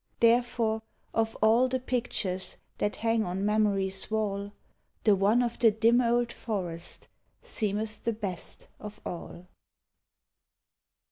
Therefore, of all the pictures That hang on Memory's wall, The one of the dim old forest Seemeth the best of all.